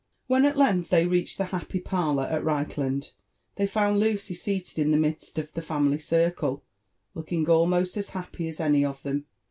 When at length they reached the happy parlour at Reichland, they found Lucy seated in the midst of the family circle looking almost as happy as any of them.